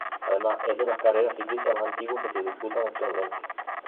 Además es de las carreras ciclistas más antiguas que se disputan actualmente.